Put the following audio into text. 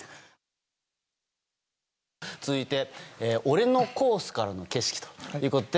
続いて、俺のコースからの景色ということで。